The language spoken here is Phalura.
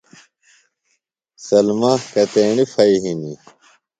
سلمی کتیݨی پھئی ہِنیۡ؟